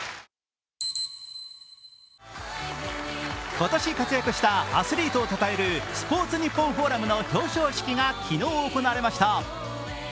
今年活躍したアスリートをたたえるスポーツニッポンフォーラムの表彰式が昨日行われました。